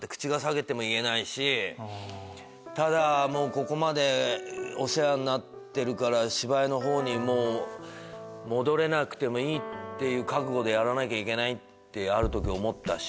もうここまでお世話になってるから芝居の方に戻れなくてもいいっていう覚悟でやらなきゃいけないってある時思ったし。